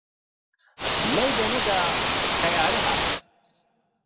لەو دەمەدا تەیارە هات